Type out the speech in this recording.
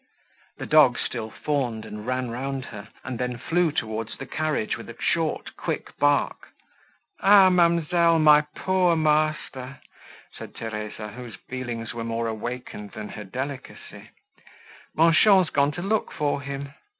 The dog still fawned and ran round her, and then flew towards the carriage, with a short quick bark. "Ah, ma'amselle!—my poor master!" said Theresa, whose feelings were more awakened than her delicacy, "Manchon's gone to look for him."